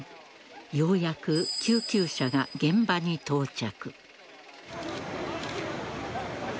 ようやく救急車が現場に到着。